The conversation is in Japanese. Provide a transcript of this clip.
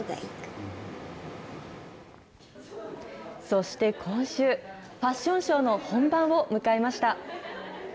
そして今週、ファッションショーの本番を迎えました。